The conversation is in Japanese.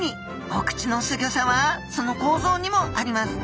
お口のすギョさはその構造にもあります。